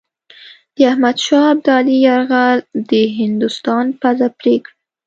د احمدشاه ابدالي یرغل د هندوستان پزه پرې کړه.